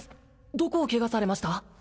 どこをケガされました？